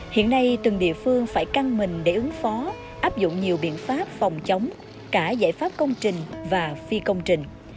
hiện nay từng địa phương phải căng mình để ứng phó áp dụng nhiều biện pháp phòng chống cả giải pháp công trình và phi công trình